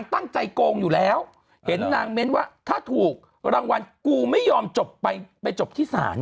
ตั้งใจโกงอยู่แล้วเห็นนางเม้นว่าถ้าถูกรางวัลกูไม่ยอมจบไปไปจบที่ศาล